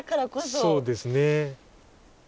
そうですね。